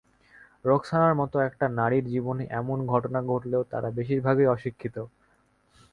রোকসানার মতো অনেক নারীর জীবনে এমন ঘটনা ঘটলেও তাঁরা বেশির ভাগই অশিক্ষিত।